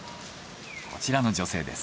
こちらの女性です。